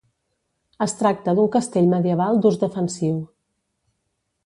Es tracta d’un castell medieval d’ús defensiu.